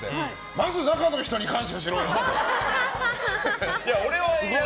まず中の人に感謝しろよ！って。